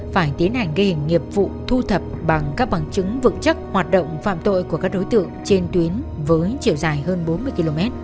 phải tiến hành gây hình nghiệp vụ thu thập bằng các bằng chứng vực chắc hoạt động phạm tội của các đối tượng trên tuyến với chiều dài hơn bốn mươi km